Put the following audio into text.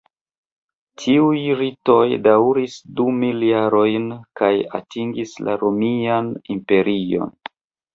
Tiuj ritoj daŭris du mil jarojn kaj atingis la Romian Imperion.